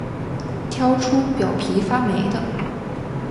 挑出表皮发霉的